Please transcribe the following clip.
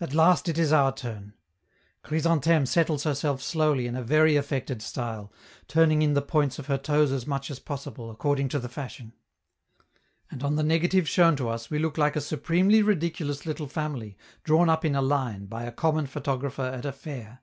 At last it is our turn; Chrysantheme settles herself slowly in a very affected style, turning in the points of her toes as much as possible, according to the fashion. And on the negative shown to us we look like a supremely ridiculous little family drawn up in a line by a common photographer at a fair.